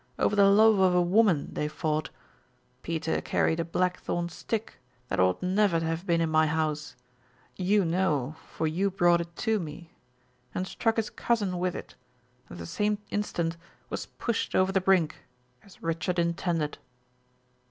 Over the love of a woman they fought. Peter carried a blackthorn stick that ought never to have been in my house you know, for you brought it to me and struck his cousin with it, and at the same instant was pushed over the brink, as Richard intended."